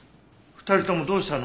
２人ともどうしたの？